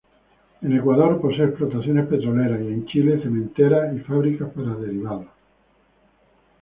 En Ecuador posee explotaciones petroleras y en Chile, cementeras y fábricas para derivados.